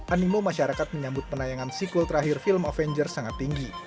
animo masyarakat menyambut penayangan sequel terakhir film avenger sangat tinggi